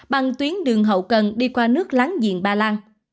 bằng tuyến đường hậu cần đi qua nước láng giềng ba lan